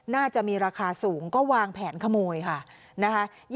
น่าจะมีราคาสูงก็วางแผนขโมยค่ะนะคะ